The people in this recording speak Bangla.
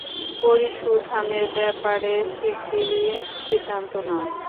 পরিসুথামের ব্যাপারে শিগগিরই সিদ্ধান্ত নাও।